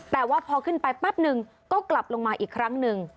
แต่ว่าพอขึ้นไปแป๊บนึงก็กลับลงมาอีกครั้งหนึ่ง